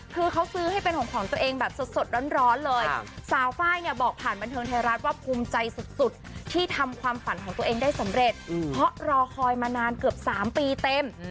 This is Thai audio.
คือเขาซื้อให้เป็นของของตัวเองแบบสดร้อนเลยสาวไฟล์เนี่ยบอกผ่านบันเทิงไทยรัฐว่าภูมิใจสุดที่ทำความฝันของตัวเองได้สำเร็จเพราะรอคอยมานานเกือบ๓ปีเต็ม